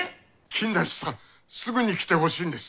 金田一さんすぐに来てほしいんです！